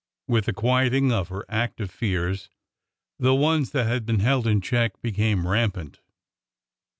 With the quieting of her active fears, the ones that had been held in check became rampant.